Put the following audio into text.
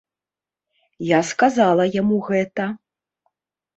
Я сказала яму гэта.